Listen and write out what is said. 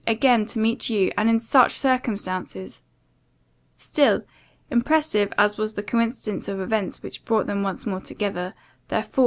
again to meet you, and in such circumstances!" Still, impressive as was the coincidence of events which brought them once more together, their full hearts did not overflow.